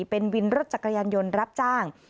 เป็นวินรถจักรยานยนต์รับจ้าง